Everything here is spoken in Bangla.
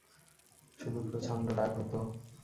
শুধু প্রচন্ড রাগ হতো।